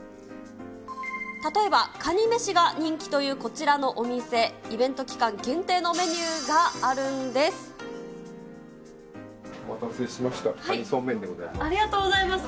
例えばかにめしが人気というこちらのお店、イベント期間限定のメお待たせしました、かにそうありがとうございます。